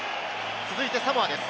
続いてサモアです。